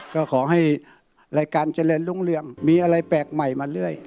ก็ขอให้รายการเจริญรุ่งเรืองมีอะไรแปลกใหม่มาเรื่อย